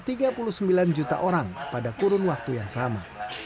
di daerah pedesaan turun tiga puluh sembilan juta orang pada kurun waktu yang sama